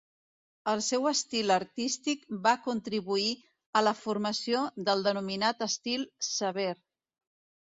El seu estil artístic va contribuir a la formació del denominat estil "sever".